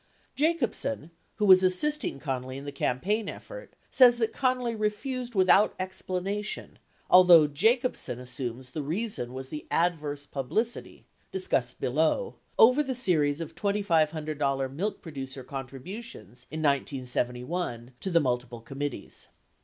79 Jacobson, who was assisting Connally in the campaign effort, says that Connally refused without explanation, although Jacobsen assumes the reason was the adverse publicity (discussed below) over the series of $2,500 milk producer contributions in 1971 to the multiple committees.